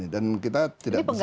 dan kita tidak bisa